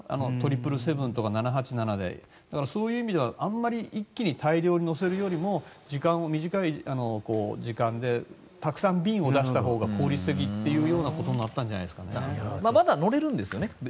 ７７７とか７８７でそういう意味ではあまり一気に大量に乗せるよりも短い時間でたくさん便を出したほうが効率的ということにまだ乗れるんですよね？